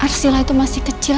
arsila itu masih kecil